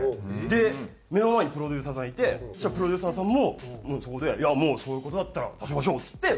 で目の前にプロデューサーさんいてそしたらプロデューサーさんもそこで「いやもうそういう事だったら出しましょう」っつって